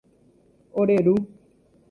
Ore Ru